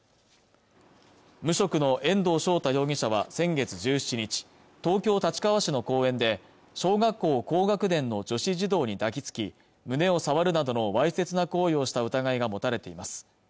無職の遠藤翔太容疑者は先月１７日東京・立川市の公園で小学校高学年の女子児童に抱きつき胸を触るなどのわいせつな行為をした疑いが持たれています